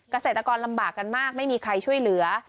เกษตรกรลำบากกันมากไม่มีใครช่วยเหลือ